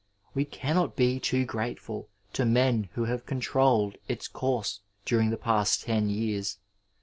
We cannot be too grateful to men who have controlled its course during the past ten years.